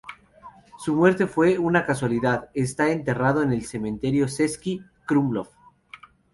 Su muerte fue una casualidad. Está enterrado en el cementerio de Český Krumlov.